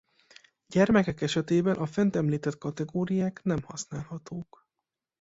Gyermekek esetében a fent említett kategóriák nem használhatók.